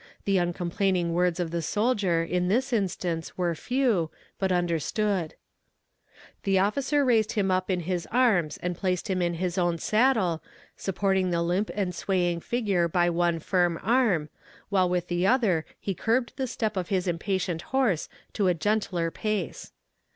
The uncomplaining words of the soldier in this instance were few, but understood. "The officer raised him in his arms and placed him in his own saddle, supporting the limp and swaying figure by one firm arm, while with the other he curbed the step of his impatient horse to a gentler pace.